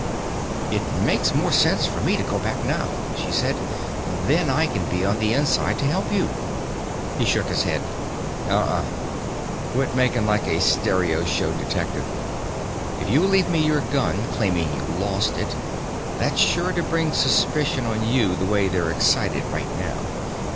"It makes more sense for me to go back now," she said. "Then I can be on the inside to help you." He shook his head. "Uh uh. Quit making like a stereoshow detective. If you leave me your gun, claiming you lost it, that's sure to bring suspicion on you the way they're excited right now.